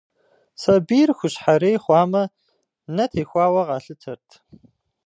Сабийр хущхьэрей хъуамэ, нэ техуауэ къалъытэрт.